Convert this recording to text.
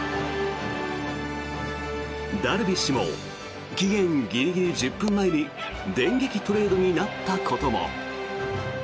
ダルビッシュも期限ギリギリ１０分前に電撃トレードになったことも。